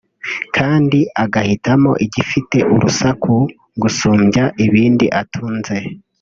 kandi agahitamo igifite urusaku gusumbya ibindi atunze